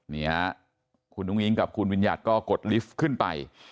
นี่ฮะคุณอุ้งอิงกับคุณวิญญัติก็กดลิฟต์ขึ้นไป